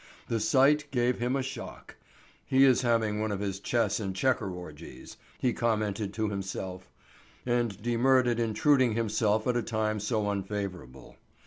The sight gave him a shock. "He is having one of his chess and checker orgies," he commented to himself, and demurred at intruding himself at a time so unfavorable.